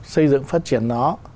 xây dựng phát triển nó